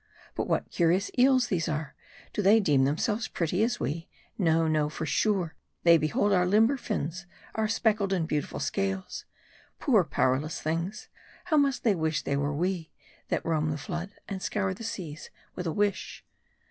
But what curious eels these are ! Do they deem .themselves pretty as we ? No, no ; for sure, they behold our limber fins, our speckled and beautiful scales. Poor, powerless things ! How they must wish they were we, that roam the flood, and scour the seas with a wish.